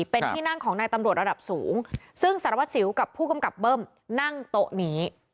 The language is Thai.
เป็นที่นั่งของนายตำรวจระดับสูงซึ่งสารวัสสิวกับผู้กำกับเบิ้มนั่งโต๊ะนี้